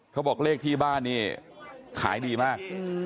เขาบอกเลขที่บ้านนี่ขายดีมาก